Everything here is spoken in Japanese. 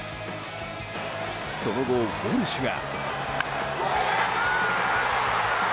その後、ウォルシュが。